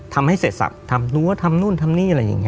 ทำให้เสร็จสับทำรั้วทำนู่นทำนี่อะไรอย่างนี้